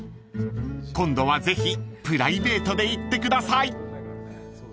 ［今度はぜひプライベートで行ってください］